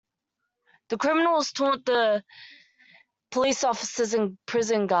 The criminals taunted the police officers and prison guards.